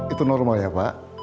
itu normal ya pak